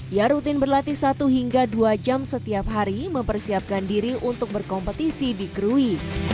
ia rutin berlatih satu hingga dua jam setiap hari mempersiapkan diri untuk berkompetisi di krui